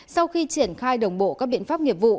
sau khi triển khai đồng bộ các biện pháp nghiệp vụ